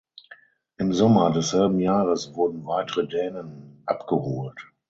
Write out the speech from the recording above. Im Sommer desselben Jahres wurden weitere Dänen abgeholt.